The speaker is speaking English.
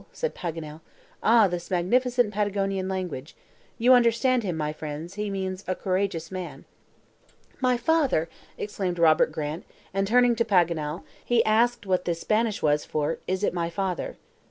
said Paganel. "Ah, this magnificent Patagonian language. You understand him, my friends, he means a courageous man." "My father!" exclaimed Robert Grant, and, turning to Paganel, he asked what the Spanish was for, "Is it my father."